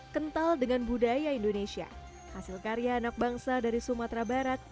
kental dengan budaya indonesia hasil karya anak bangsa dari sumatera barat